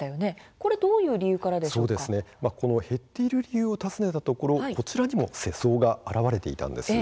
これはどういう理由からだった減っている理由を尋ねたところこちらにも世相が表れていたんです。